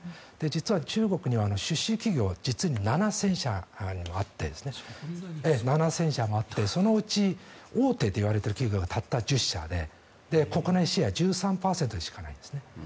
実は、中国には種子企業が実に７０００社もあってそのうち大手といわれている企業はたった１０社で国内シェア１３％しかないんです。